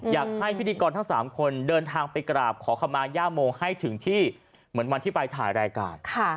อยากให้พิธีกรทั้ง๓คนเดินทางไปกราบขอขมาย่าโมให้ถึงที่เหมือนวันที่ไปถ่ายรายการ